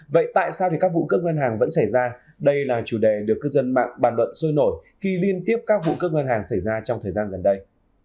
vậy tại sao các vụ cướp ngân hàng vẫn xảy ra đây là chủ đề được cư dân mạng bàn luận sôi nổi khi liên tiếp các vụ cướp ngân hàng xảy ra trong thời gian gần đây